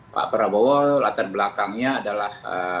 pak prabowo latar belakangnya adalah